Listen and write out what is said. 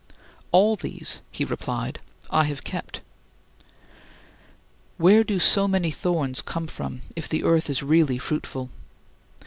"All these," he replied, "I have kept." Where do so many thorns come from, if the earth is really fruitful?